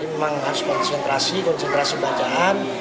memang harus konsentrasi konsentrasi bacaan